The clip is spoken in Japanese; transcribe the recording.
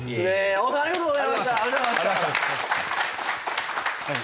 粟生さんありがとうございました。